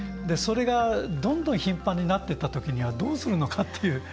それが、どんどん頻繁になっていったときにはどうするのかっていう。